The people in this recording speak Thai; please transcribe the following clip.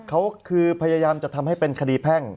เขาคือพยายามจะทำให้เป็นคดีแพ่ง